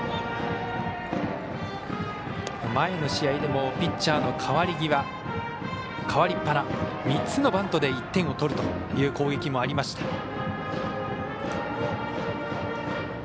前の試合でもピッチャーの代わり端３つのバントで１点を取るという攻撃もありました。